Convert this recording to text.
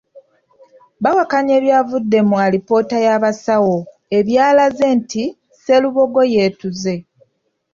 Bawakanya ebyavudde mu alipoota y’abasawo ebyalaze nti Sserubogo yeetuze.